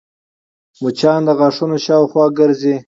مچان د غاښونو شاوخوا ګرځي